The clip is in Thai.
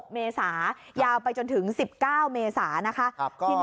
เมษายาวไปจนถึง๑๙เมษานะคะ